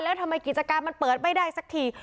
แล้วทำไมกิจการมันเปิดไม่ได้สักที